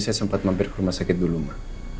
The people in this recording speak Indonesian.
saya sempat mampir ke rumah sakit dulu mbak